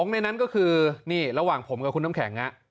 ในนั้นก็คือนี่ระหว่างผมกับคุณน้ำแข็ง